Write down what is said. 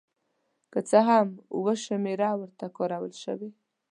که څه هم اوه شمېره ورته کارول شوې.